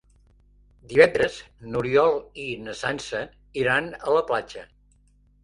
Divendres n'Oriol i na Sança iran a la platja.